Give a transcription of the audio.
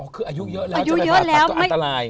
คืออายุเยอะแล้วจะไปผ่าตัดก็อันตราย